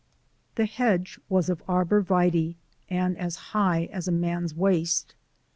The hedge was of arbor vitae and as high as a man's waist.